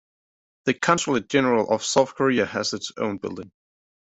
The Consulate-General of South Korea has its own building.